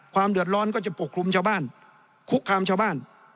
ความเดือดร้อนก็จะปกคลุมชาวบ้านคุกคามชาวบ้าน